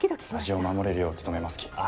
味を守れるよう努めますき。